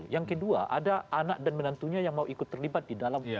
yang kedua ada anak dan menantunya yang mau ikut terlibat di dalam